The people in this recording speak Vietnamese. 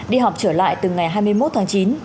đi học trở lại từ ngày hai mươi một tháng chín